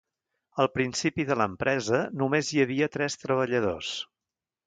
Al principi de l'empresa, només hi havia tres treballadors.